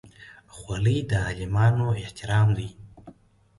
خولۍ د عالمانو احترام دی.